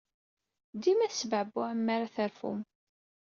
Dima tesbeɛbuɛem mi ara terfum.